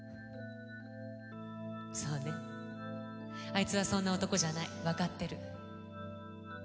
あいつはそんな男じゃないわかってる。